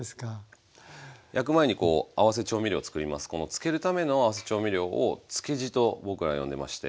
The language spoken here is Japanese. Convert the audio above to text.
漬けるための合わせ調味料を漬け地と僕は呼んでまして。